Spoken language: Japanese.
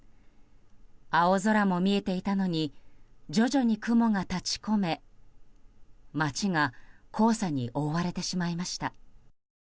青空も見えていたのに徐々に雲が立ち込め街が黄砂に覆われてしまいました。